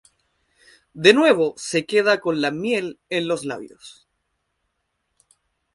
De nuevo se queda con la miel en los labios.